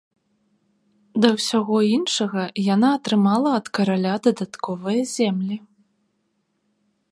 Да ўсяго іншага, яна атрымала ад караля дадатковыя землі.